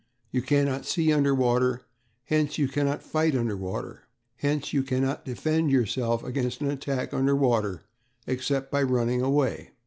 You cannot see under water, hence you cannot fight under water. Hence you cannot defend yourself against an attack under water except by running away."